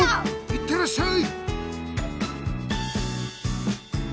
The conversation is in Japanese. いってらっしゃい！